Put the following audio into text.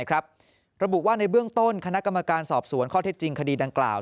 ระบุว่าในเบื้องต้นคณะกรรมการสอบสวนข้อเท็จจริงคดีดังกล่าว